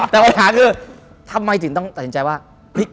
แต่ปัญหาคือที่ทำไมสิ่งที่นักต่างจิงก็ต้องลงใจว่า